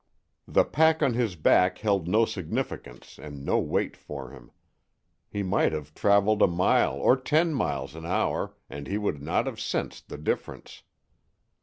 The pack on his back held no significance and no weight for him. He might have traveled a mile or ten miles an hour and he would not have sensed the difference.